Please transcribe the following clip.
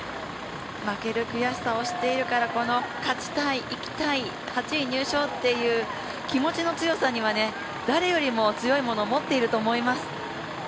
負ける悔しさを知ってるからこの勝ちたい、行きたい８位入賞という気持ちの強さには誰よりも強いものを持っていると思います。